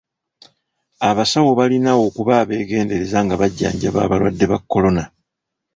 Abasawo balina okuba abeegendereza nga bajjanjaba abalwadde ba kolona.